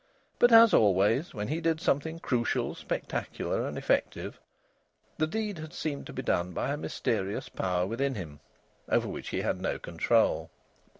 But, as always when he did something crucial, spectacular, and effective, the deed had seemed to be done by a mysterious power within him, over which he had no control.